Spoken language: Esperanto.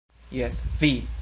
Jes, vi!